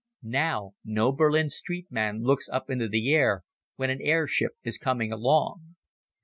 Now no Berlin street man looks up into the air when an airship is coming along.